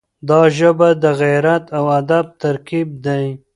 دا ژبه د غیرت او ادب ترکیب دی.